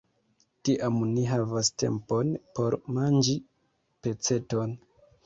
Tiam ni havas tempon por manĝi peceton.